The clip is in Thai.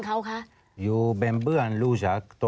ปีอาทิตย์ห้ามีสปีอาทิตย์ห้ามีส